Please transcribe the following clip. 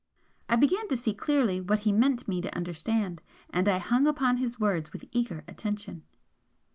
I began to see clearly what he meant me to understand, and I hung upon his words with eager attention.